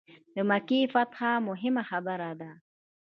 د مکې فتح موهمه خبره ده.